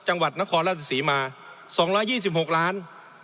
จังหวัดนครราชศรีมาสองร้อยยี่สิบหกล้าน